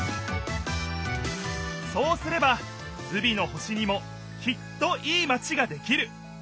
そうすればズビの星にもきっといいマチができる。